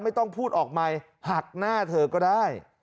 ไม่ต้องพูดออกใหม่หักหน้าเธอก็ได้